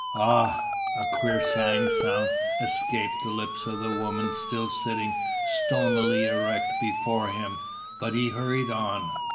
"Ah h h!" A queer sighing sound escaped the lips of the woman still sitting stonily erect before him; but he hurried on.